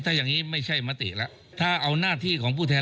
ถ้าอย่างนี้ไม่ใช่มติแล้วถ้าเอาหน้าที่ของผู้แทน